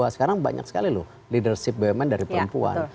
sekarang banyak sekali loh leadership bumn dari perempuan